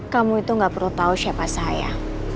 kamu itu gak perlu tahu siapa saya